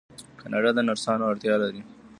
کاناډا د نرسانو اړتیا لري.